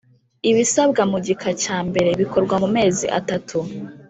Ibisabwa Mu Gika Cya Mbere Bikorwa Mu Mezi Atatu